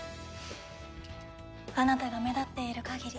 あなたが目立っている限り。